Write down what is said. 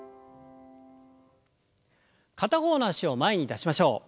片方の脚を前に出しましょう。